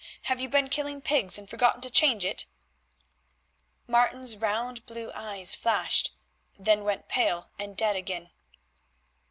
Have you been killing pigs and forgotten to change it?" Martin's round blue eyes flashed, then went pale and dead again.